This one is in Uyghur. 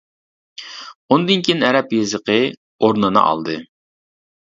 ئۇندىن كېيىن ئەرەب يېزىقى ئورنىنى ئالدى.